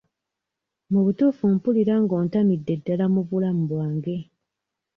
Mu butuufu mpulira nga ontamidde ddala mu bulamu bwange.